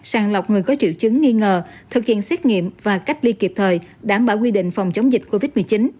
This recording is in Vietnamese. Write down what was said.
sàng lọc người có triệu chứng nghi ngờ thực hiện xét nghiệm và cách ly kịp thời đảm bảo quy định phòng chống dịch covid một mươi chín